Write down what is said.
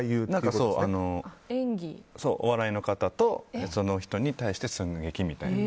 お笑いの方とその人に対して寸劇みたいな。